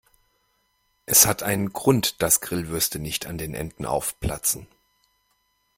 Es hat einen Grund, dass Grillwürste nicht an den Enden aufplatzen.